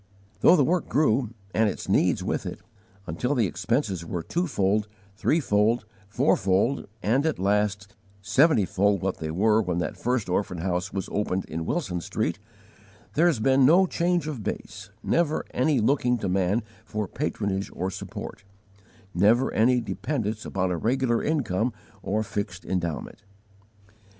Though the work grew, and its needs with it, until the expenses were twofold, threefold, fourfold, and, at last, seventyfold what they were when that first Orphan House was opened in Wilson Street, there has been no change of base, never any looking to man for patronage or support, never any dependence upon a regular income or fixed endowment.